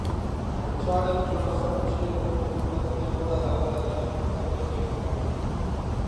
Antxoaren biomasagutxieneko kopuruetatik gora dagoela dio aipatutako ikerketak.